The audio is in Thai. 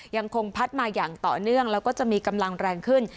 ยังคงพัดมาอย่างต่อเนื่องแล้วก็จะมีกำลังแรงขึ้น